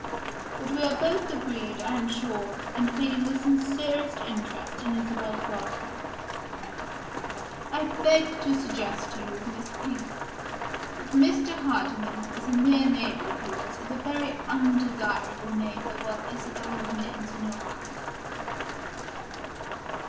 "But we are both agreed, I am sure, in feeling the sincerest interest in Isabel's welfare. I beg to suggest to you, Miss Pink, that Mr. Hardyman, as a near neighbor of yours, is a very undesirable neighbor while Isabel remains in your house."